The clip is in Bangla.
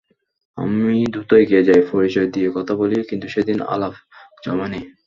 আমি দ্রুত এগিয়ে যাই, পরিচয় দিয়ে কথা বলি, কিন্তু সেদিন আলাপ জমেনি।